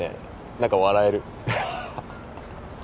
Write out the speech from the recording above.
何か笑える